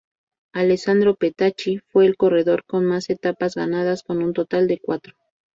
Alessandro Petacchi fue el corredor con más etapas ganadas, con un total de cuatro.